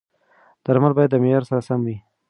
درمل باید د معیار سره سم وي.